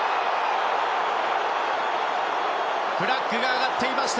フラッグが上がっていました。